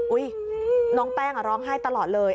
น้องแป้งร้องไห้ตลอดเลย